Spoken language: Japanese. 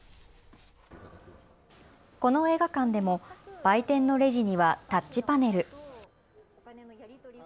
この映画館でも売店のレジにはタッチパネル。